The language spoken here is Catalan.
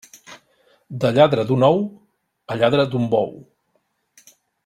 De lladre d'un ou, a lladre d'un bou.